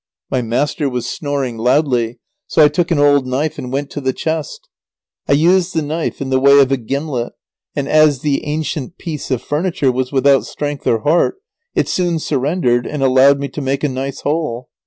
My master was snoring loudly, so I took an old knife and went to the chest. I used the knife in the way of a gimlet, and as the ancient piece of furniture was without strength or heart, it soon surrendered, and allowed me to make a nice hole.